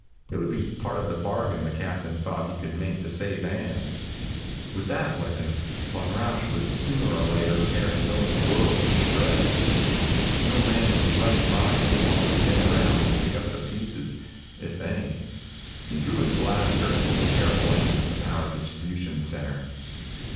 It would be part of the bargain the captain thought he could make to save Ann. With that weapon, Von Rausch would sooner or later tear his own world to shreds. No man in his right mind would want to stay around to pick up the pieces if any. He drew his blaster and took careful aim at the power distribution center.